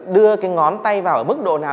đưa cái ngón tay vào ở mức độ nào